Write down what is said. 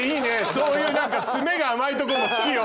そういう詰めが甘いとこも好きよ